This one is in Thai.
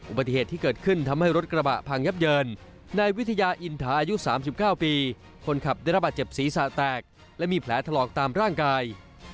อุบัติเหตุที่เกิดขึ้นทำให้รถกระบะพังยับเยินนายวิทยาอินทาอายุ๓๙ปีคนขับได้รับบาดเจ็บศีรษะแตกและมีแผลถลอกตามร่างกาย